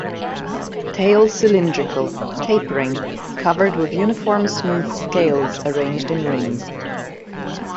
Tail cylindrical, tapering, covered with uniform smooth scales arranged in rings.